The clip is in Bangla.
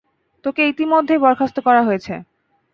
তোকে ইতিমধ্যেই বরখাস্ত করা হয়েছে।